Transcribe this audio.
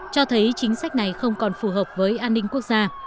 cho thấy chính sách này không còn phù hợp với an ninh quốc gia